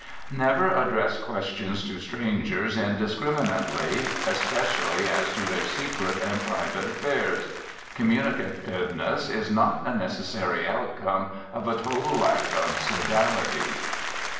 Never address questions to strangers indiscriminately, especially as to their secret and private affairs. Communicativeness is not a necessary outcome of a total lack of sodality.